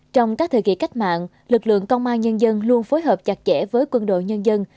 trong các thời kỳ cách mạng lực lượng công an nhân dân luôn phối hợp chặt chẽ với quân đội nhân dân